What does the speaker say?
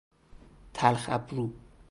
تلخ ابرو